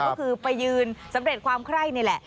ก็คือไปยืนสำเร็จความไคร้นี่แหละ